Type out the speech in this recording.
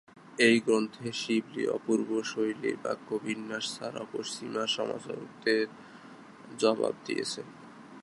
এই গ্রন্থে শিবলী অপূর্ব শৈলীর বাক্য বিন্যাস ছাড়াও পশ্চিমা সমালোচকদের জবাব দিয়েছেন।